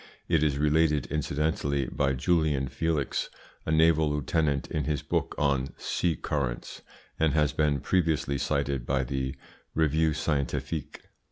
It is related incidentally by Julian Felix, a naval lieutenant, in his book on "Sea Currents," and has been previously cited by the Revue Scientifique.